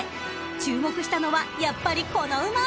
［注目したのはやっぱりこの馬］